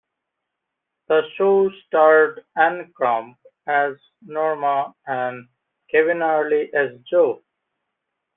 The show starred Ann Crumb as Norma and Kevin Earley as Joe.